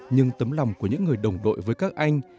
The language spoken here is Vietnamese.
nhưng tấm lòng của những người đồng đội với các anh